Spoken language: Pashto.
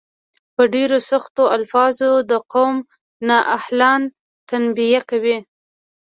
په ډیرو سختو الفاظو د قوم نا اهلان تنبیه کوي.